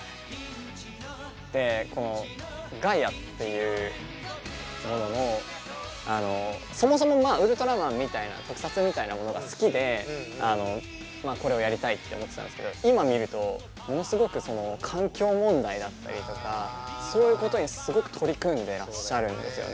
でこのガイアっていうもののそもそもまあ「ウルトラマン」みたいな特撮みたいなものが好きでまあこれをやりたいって思ってたんですけど今見るとものすごく環境問題だったりとかそういうことにすごく取り組んでらっしゃるんですよね。